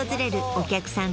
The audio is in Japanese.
お客さん